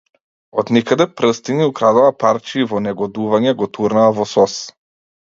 Од никаде прстиња украдоа парче и во негодување го турнаа во сос.